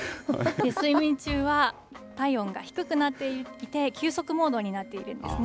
睡眠中は体温が低くなっていて、休息モードになっているんですね。